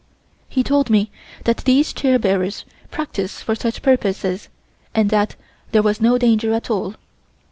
He told me that these chair bearers practice for such purposes and that there was no danger at all.